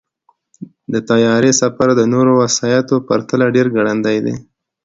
د طیارې سفر د نورو وسایطو پرتله ډېر ګړندی دی.